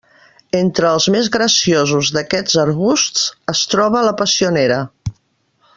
Entre els més graciosos d'aquests arbusts es troba la passionera.